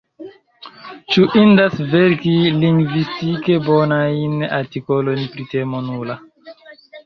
Ĉu indas verki lingvistike bonajn artikolojn pri temo nula?